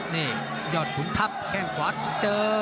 นี่ยอดขุนทัพแข้งขวาเจอ